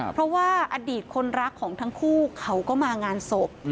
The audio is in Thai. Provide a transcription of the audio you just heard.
เพราะว่าอดีตคนรักของทั้งคู่เขาก็มางานศพ